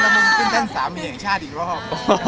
ตามตามรมท์แสนแสดงสามีริวิปาทางอีกรอบ